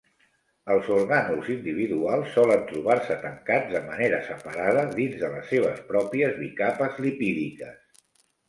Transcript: Els orgànuls individuals solen trobar-se tancats de manera separada dins de les seves pròpies bicapes lipídiques.